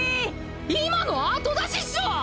今のあと出しっしょ！